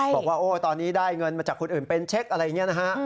บอกว่าโอ้ตอนนี้ได้เงินมาจากคนอื่นเป็นเช็คอะไรอย่างนี้นะฮะ